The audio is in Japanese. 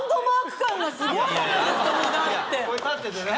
立っててね。